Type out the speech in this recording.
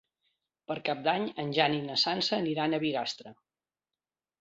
Per Cap d'Any en Jan i na Sança aniran a Bigastre.